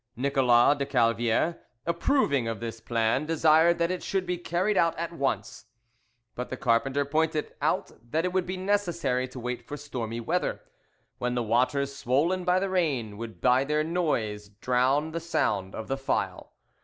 Nicolas de Calviere approving of this plan, desired that it should be carried out at once; but the carpenter pointed out that it would be necessary to wait for stormy weather, when the waters swollen by the rain would by their noise drown the sound of the file.